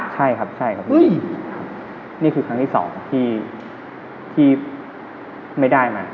ใช่ครับนี่คือครั้งที่๒ที่ไม่ได้มา